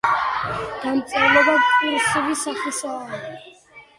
დამწერლობა კურსივი სახისაა.